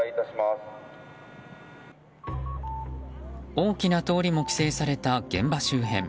大きな通りも規制された現場周辺。